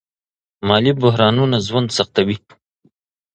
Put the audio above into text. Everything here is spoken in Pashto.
مالي بحرانونه ژوند سختوي.